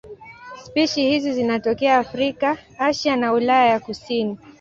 Spishi hizi zinatokea Afrika, Asia na Ulaya ya kusini.